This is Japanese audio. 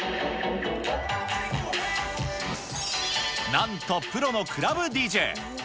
なんとプロのクラブＤＪ。